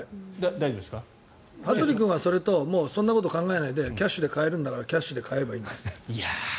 羽鳥さんはそんなこと考えないでキャッシュで買えるんだからキャッシュで買えばいい。